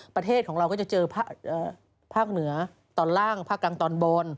ประเทศของเราก็จะเจอภาคเหนือตอนล่างภาคกลางตอนบน